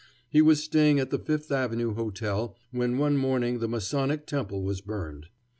He was staying at the Fifth Avenue Hotel when one morning the Masonic Temple was burned.